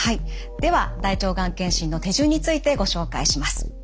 では大腸がん検診の手順についてご紹介します。